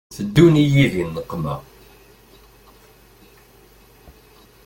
Teddun-iyi di nneqma.